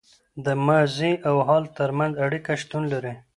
د ماضي او حال تر منځ اړیکه شتون لري.